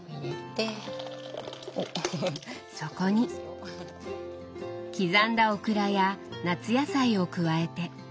そこに刻んだオクラや夏野菜を加えて。